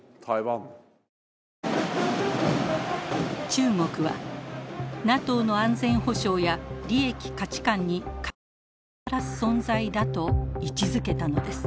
中国は「ＮＡＴＯの安全保障や利益・価値観に課題をもたらす存在だ」と位置づけたのです。